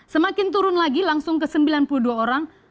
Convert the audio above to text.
semakin turun lagi langsung ke sembilan puluh dua orang